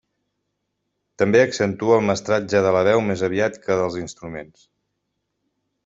També accentua el mestratge de la veu més aviat que dels instruments.